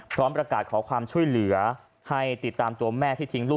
พร้อมประกาศขอความช่วยเหลือให้ติดตามตัวแม่ที่ทิ้งลูก